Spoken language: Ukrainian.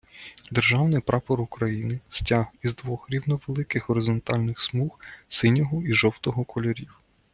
Державний Прапор України - стяг із двох рівновеликих горизонтальних смуг синього і жовтого кольорів.